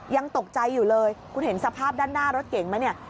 ยังตกใจอยู่เลยคุณเห็นสภาพด้านหน้ารถเก่งไหมเนี่ย